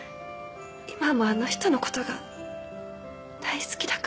今もあの人のことが大好きだから。